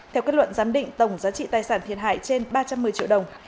theo kết luận giám định tổng giá trị tài sản thiệt hại trên ba trăm một mươi triệu đồng